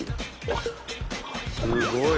すごい！